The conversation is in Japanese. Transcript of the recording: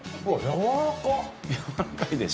やわらかいでしょ。